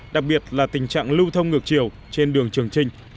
đặc biệt là tình trạng lưu thông ngược chiều trên đường trường trinh